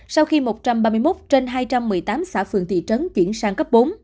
sau khi một trăm ba mươi một trên hai trăm một mươi tám xã phường thị trấn chuyển sang cấp bốn